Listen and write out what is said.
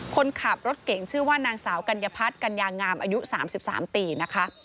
คนขับรถเก่งชื่อว่านางสาวกัญญพัฒน์กัญญางามอายุ๓๓ปีนะคะ